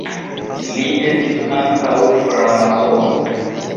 Li estis ankaŭ framasono.